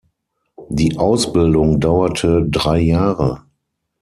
Die Ausbildung dauerte drei Jahre.